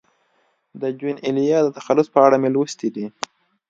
د جون ایلیا د تخلص په اړه مې لوستي دي.